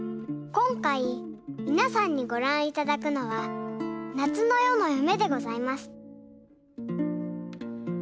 こんかいみなさんにごらんいただくのは「夏の夜の夢」でございます。